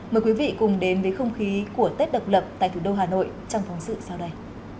mời quý vị cùng đến với không khí của tết độc lập tại thủ đô hà nội trong phóng sự sau đây